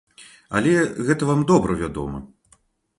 Але гэта вам добра вядома.